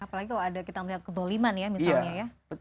apalagi kalau ada kita melihat kedoliman ya misalnya ya